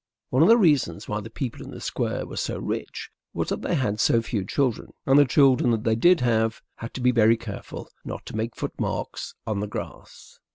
One of the reasons why the people in the Square were so rich was that they had so few children; and the children that they did have had to be very careful not to make foot marks on the grass.